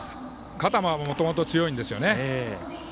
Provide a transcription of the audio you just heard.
肩ももともと強いんですよね。